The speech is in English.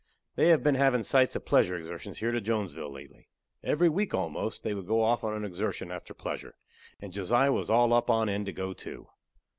They have been havin' sights of pleasure exertions here to Jonesville lately. Every week a'most they would go off on a exertion after pleasure, and Josiah was all up on end to go, too.